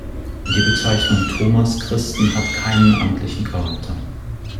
Die Bezeichnung „Thomaschristen“ hat keinen amtlichen Charakter.